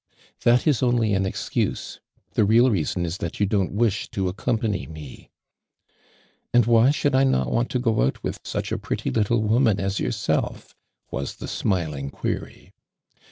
'' "That is only an excuse. The real njason is that you tlon't wish to accompany me." " And why should 1 not want to go out with su«li a pretty little woinun as your self?" was the smiling query.